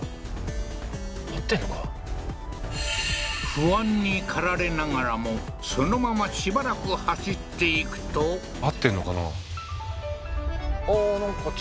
不安にかられながらもそのまましばらく走っていくと合ってるのかな？